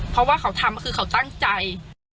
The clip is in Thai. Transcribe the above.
เพราะว่าเขาทำคือเขาตั้งใจ